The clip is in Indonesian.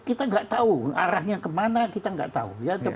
kita tidak tahu arahnya kemana kita tidak tahu